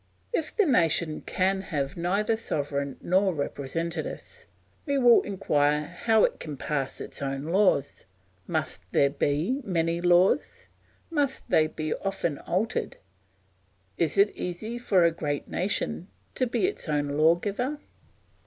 If the nation can have neither sovereign nor representatives we will inquire how it can pass its own laws; must there be many laws; must they be often altered; is it easy for a great nation to be its own lawgiver?